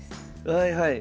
はいはい。